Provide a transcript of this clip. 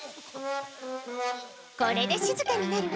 これでしずかになるわね。